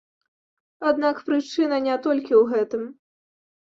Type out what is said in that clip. Аднак прычына не толькі ў гэтым.